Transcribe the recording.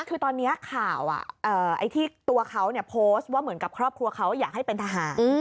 คือตอนนี้ข่าวที่ตัวเขาโพสต์ว่าเหมือนกับครอบครัวเขาอยากให้เป็นทหาร